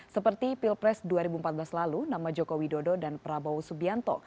seperti pilpres dua ribu empat belas lalu nama joko widodo dan prabowo subianto